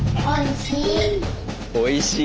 おいしい。